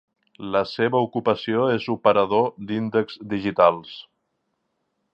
La seva ocupació és operador d'índexs digitals.